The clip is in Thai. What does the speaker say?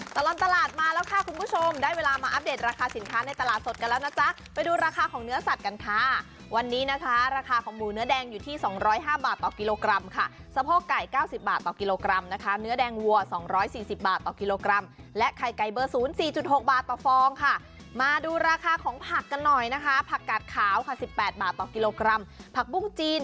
ตลอดตลาดมาแล้วค่ะคุณผู้ชมได้เวลามาอัปเดตราคาสินค้าในตลาดสดกันแล้วนะจ๊ะไปดูราคาของเนื้อสัตว์กันค่ะวันนี้นะคะราคาของหมูเนื้อแดงอยู่ที่สองร้อยห้าบาทต่อกิโลกรัมค่ะสะโพกไก่เก้าสิบบาทต่อกิโลกรัมนะคะเนื้อแดงวัวสองร้อยสี่สิบบาทต่อกิโลกรัมและไข่ไก่เบอร์ศูนย์สี่จุด